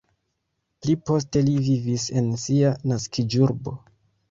Pli poste li vivis en sia naskiĝurbo.